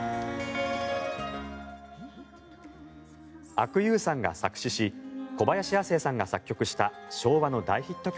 阿久悠さんが作詞し小林亜星さんが作曲した昭和の大ヒット曲